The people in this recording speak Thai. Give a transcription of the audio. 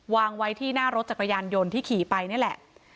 วางไว้ที่หน้ารถจักรยานยนต์ที่ขี่ไปนี่แหละ